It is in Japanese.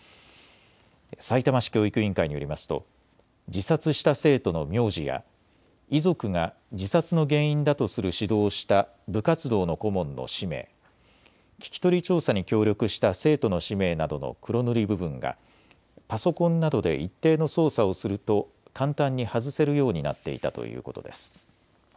さいたま市教育委員会によりますと自殺した生徒の名字や遺族が自殺の原因だとする指導をした部活動の顧問の氏名、聞き取り調査に協力した生徒の氏名などの黒塗り部分がパソコンなどで一定の操作をすると簡単に外せるようになっていたということです。